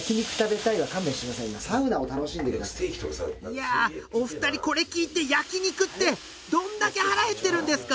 いやお２人これ聞いて焼き肉ってどんだけ腹減ってるんですか